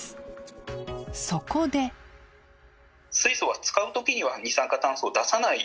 水素は使う時には二酸化炭素を出さない┘